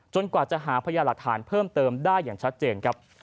กว่าจะหาพยาหลักฐานเพิ่มเติมได้อย่างชัดเจนครับ